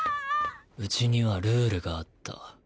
家にはルールがあった。